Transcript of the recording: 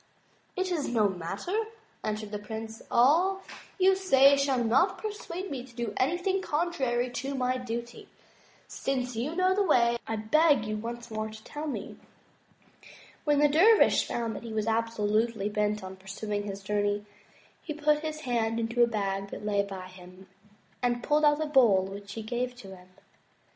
It is no matter," answered the Prince, "all you say shall not persuade me to do anything contrary to my duty. Since you know the way I beg you once more to tell me." When the dervish found that he was absolutely bent on pur suing his journey, he put his hand into a bag that lay by him, and pulled out a bowl which he gave to him.